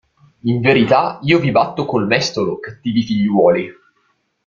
In verità, io vi batto col mestolo, cattivi figliuoli.